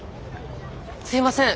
すいません